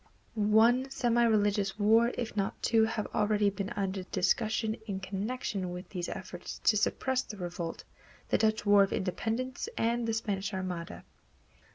One semi religious war, if not two, have already been under discussion in connection with these efforts to suppress the revolt, the Dutch War of Independence and the Spanish Armada.